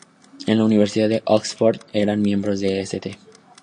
En la Universidad de Oxford, eran miembros de St.